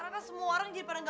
aduh gimana ya